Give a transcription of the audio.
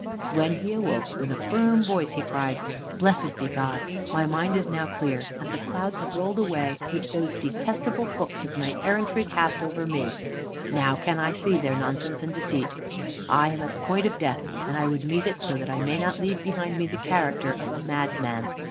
When he awoke, with a firm voice he cried: "Blessed be God! My mind is is now clear, and the clouds have rolled away which those detestable books of knight errantry cast over me. Now can I see their nonsense and deceit. I am at the point of death, and I would meet it so that I may not leave behind me the character of a madman.